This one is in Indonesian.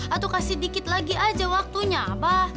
atau kasih dikit lagi aja waktunya apa